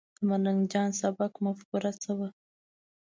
د ملنګ جان د سبک مفکوره څه وه؟